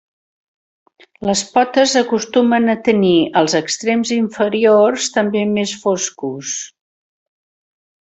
Les potes acostumen a tenir els extrems inferiors també més foscos.